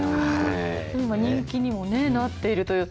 今、人気にもなっているという。